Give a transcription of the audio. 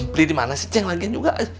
beli dimana sih ceng lagian juga